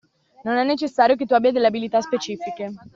Non è necessario che tu abbia delle abilità specifiche.